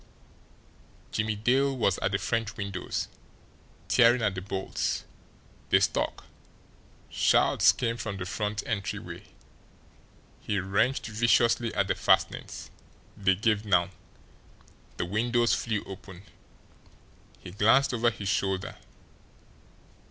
Jimmie Dale was at the French windows, tearing at the bolts. They stuck. Shouts came from the front entryway. He wrenched viciously at the fastenings. They gave now. The windows flew open. He glanced over his shoulder.